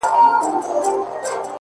زما په سترگو كي را رسم كړي!!